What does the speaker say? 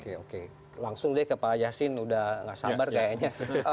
oke oke langsung deh ke pak yasin udah gak sabar kayaknya